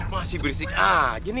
masih berisik aja nih